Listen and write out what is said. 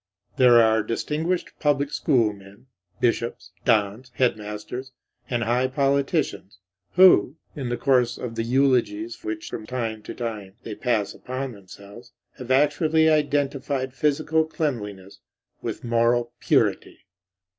There are distinguished public school men, bishops, dons, headmasters, and high politicians, who, in the course of the eulogies which from time to time they pass upon themselves, have actually identified physical cleanliness with moral purity.